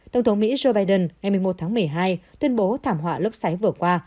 tổng thống mỹ joe biden ngày một mươi một tháng một mươi hai tuyên bố thảm họa lốc xoáy vừa qua